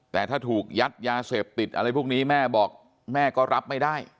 แต่ถ้าถูกยัดยาเสพติดอะไรพวกนี้แม่บอกแม่ก็รับไม่ได้